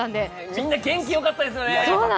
みんな元気よかったですね。